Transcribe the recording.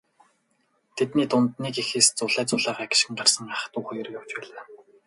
Тэдний дунд нэг эхээс зулай зулайгаа гишгэн гарсан ах дүү хоёр явж байлаа.